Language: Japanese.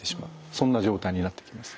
そんな状態になってきますね。